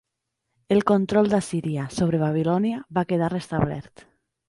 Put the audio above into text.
El control d'Assíria sobre Babilònia va quedar restablert.